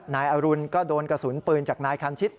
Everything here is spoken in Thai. นายอรุณก็โดนกระสุนปืนจากนายคันชิต